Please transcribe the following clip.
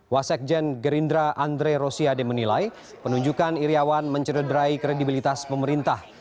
wasekjen gerindra andre rosiade menilai penunjukan iryawan mencederai kredibilitas pemerintah